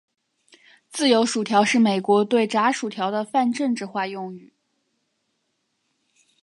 自由薯条是美国对炸薯条的泛政治化用语。